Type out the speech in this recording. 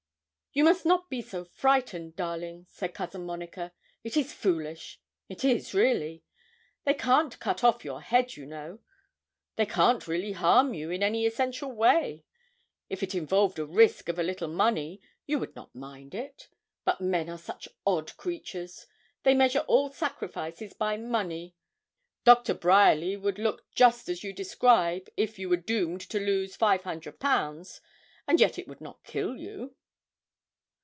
'You must not be so frightened, darling,' said Cousin Monica. 'It is foolish; it is, really; they can't cut off your head, you know: they can't really harm you in any essential way. If it involved a risk of a little money, you would not mind it; but men are such odd creatures they measure all sacrifices by money. Doctor Bryerly would look just as you describe, if you were doomed to lose 500_l_., and yet it would not kill you.'